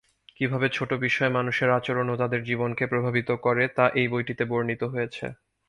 কীভাবে ছোট বিষয় মানুষের আচরণ ও তাদের জীবনকে প্রভাবিত করে তা এই বইটিতে বর্ণিত হয়েছে।